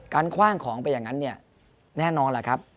คว่างของไปอย่างนั้นเนี่ยแน่นอนแหละครับ